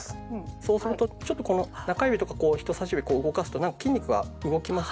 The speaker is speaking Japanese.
そうするとちょっとこの中指とか人さし指こう動かすとなんか筋肉が動きます？